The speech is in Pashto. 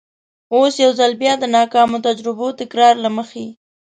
اوس یو ځل بیا د ناکامو تجربو تکرار له مخې.